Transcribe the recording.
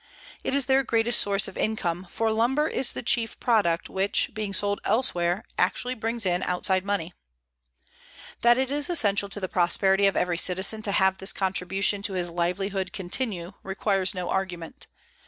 It is their greatest source of income, for lumber is the chief product which, being sold elsewhere, actually brings in outside money. That it is essential to the prosperity of every citizen to have this contribution to his livelihood continue requires no argument.